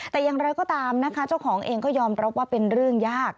แต่อย่างไรก็ตามนะคะเจ้าของเองก็ยอมรับว่าเป็นเรื่องยาก